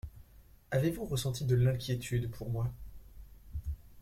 Avez-vous ressenti de l'inquiétude pour moi?